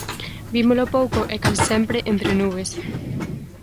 Vímolo pouco e case sempre entre nubes.